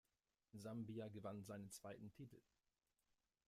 Sambia gewann seinen zweiten Titel.